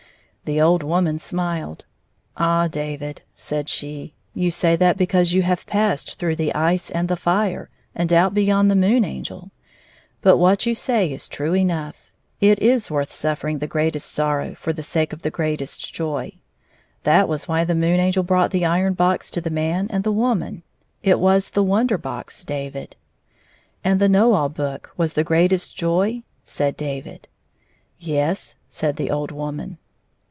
The old woman smiled. " Ah, David," said she, "you say that because you have passed through the ice and the fire, and out beyond the Moon Angel. But what you say is true enough ; it is worth suffering the greatest sorrow for the sake of the greatest joy. That was why the Moon Angel brought the iron box to the man and the woman — it was the Wonder Box, David." "And the Know All Book was the greatest joy 1 " said David. " Yes," said the old woman.